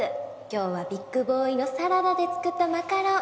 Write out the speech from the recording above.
今日はビックボーイのサラダで作ったマカロン。